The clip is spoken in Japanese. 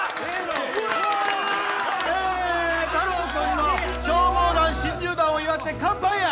え太郎くんの消防団新入団を祝って乾杯や！